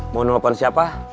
mau nunggu apaan siapa